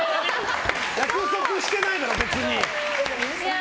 約束してないだろ、別に。